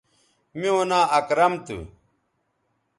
میوں ناں اکرم تھو